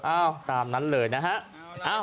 อ้าวตามนั้นเลยนะฮะ